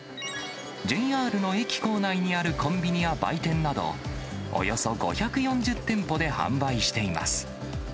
ＪＲの駅構内にあるコンビニや売店など、およそ５４０店舗で販売しています。